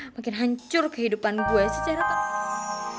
makin hancur kehidupan gue secara takut